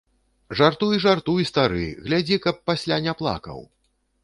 Жартуй, жартуй, стары, глядзі, каб пасля не плакаў.